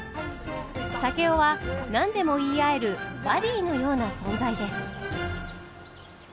竹雄は何でも言い合えるバディーのような存在です。